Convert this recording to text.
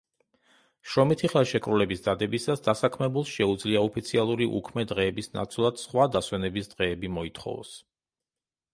შრომითი ხელშეკრულების დადებისას დასაქმებულს შეუძლია ოფიციალური უქმე დღეების ნაცვლად სხვა დასვენების დღეები მოითხოვოს.